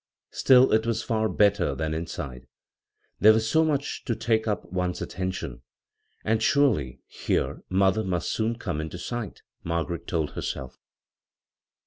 Still, it was Ear better than inside, there was so much to take up one's attention, and surely here mother must soon come into sight, Margaret told herself.